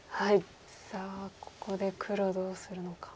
さあここで黒どうするのか。